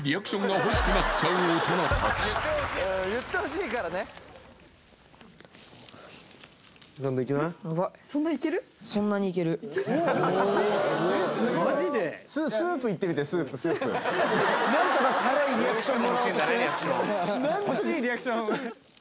欲しいリアクション